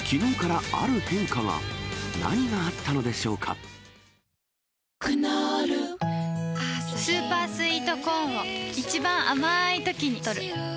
そして、クノールスーパースイートコーンを一番あまいときにとる